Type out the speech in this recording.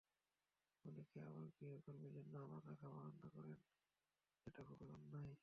অনেকে আবার গৃহকর্মীর জন্য আলাদা খাবার রান্না করেন, যেটা খুবই অন্যায়।